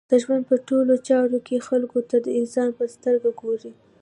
د ژوند په ټولو چارو کښي خلکو ته د انسان په سترګه ګورئ!